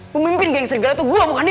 pemimpin geng serigala itu gue bukan dian